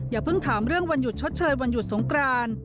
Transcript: อย่าเพิ่งถามเรื่องวันหยุดชดเชยวันหยุดสงกราน